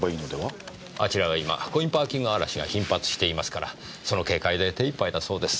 あちらは今コインパーキング荒らしが頻発していますからその警戒で手いっぱいだそうです。